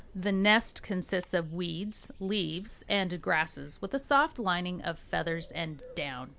The nest consists of weeds, leaves, and grasses with a soft lining of feathers and down.